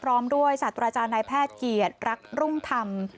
ตรอมด้วยสัตว์ราชาณายแพทย์เกียรติรักรุ่งธรรม